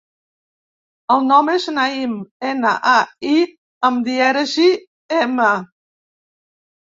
El nom és Naïm: ena, a, i amb dièresi, ema.